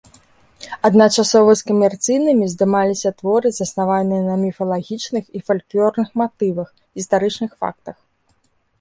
Адначасова з камерцыйнымі здымаліся творы, заснаваныя на міфалагічных і фальклорных матывах, гістарычных фактах.